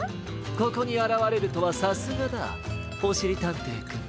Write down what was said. ここにあらわれるとはさすがだおしりたんていくん。